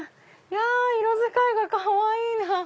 色使いがかわいいなぁ。